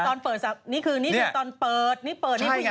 ตอนเปิดนี่คือตอนเปิดนี่เปิดนี่ผู้หญิงยังอยู่